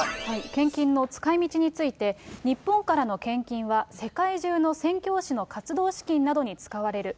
献金の使いみちについて、日本からの献金は、世界中の宣教師の活動資金などに使われる。